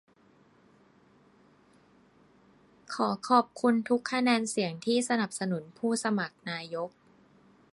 ขอขอบคุณทุกคะแนนเสียงที่สนับสนุนผู้สมัครนายก